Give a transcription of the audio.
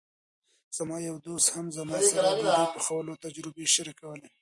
زما یو دوست هم زما سره د ډوډۍ پخولو تجربې شریکولې.